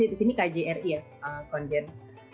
di sini kjri ya konjen